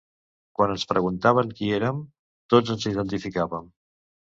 Quan ens preguntaven qui érem, tots ens identificàvem.